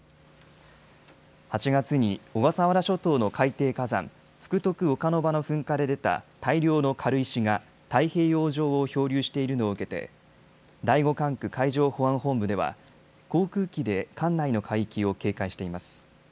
８月に小笠原諸島の海底火山、福徳岡ノ場の噴火で出た大量の軽石が太平洋上を漂流しているのを受けて第５管区海上保安本部では航空機で管内の海域を警戒しています。